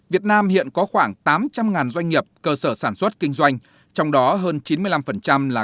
việt nam hiện có khoảng tám trăm linh doanh nghiệp cơ sở sản xuất kinh doanh trong đó hơn chín mươi năm là